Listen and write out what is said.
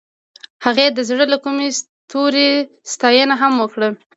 هغې د زړه له کومې د ستوري ستاینه هم وکړه.